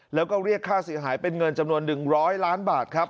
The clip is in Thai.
แล้วก็เรียกค่าเสียหายเป็นเงินจำนวน๑๐๐ล้านบาทครับ